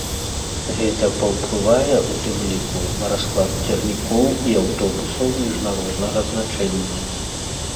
Гэта паўплывае, у тым ліку, на расклад цягнікоў і аўтобусаў міжнароднага значэння.